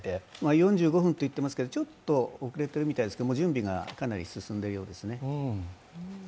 ４５分といってますけど、ちょっと遅れてるみたいですけど準備がかなり進んでいるようですね。